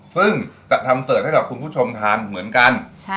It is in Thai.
ซึ่งจะทำเสิร์ชให้กับคุณผู้ชมทานเหมือนกัน